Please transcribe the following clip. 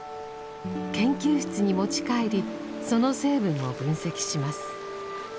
研究室に持ち帰りその成分を分析します。